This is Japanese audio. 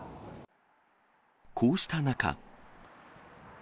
こうした中。